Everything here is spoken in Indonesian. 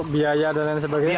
biaya dan lain sebagainya